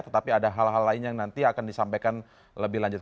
tetapi ada hal hal lain yang nanti akan disampaikan lebih lanjut